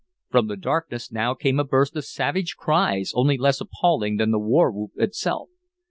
From the darkness now came a burst of savage cries only less appalling than the war whoop itself.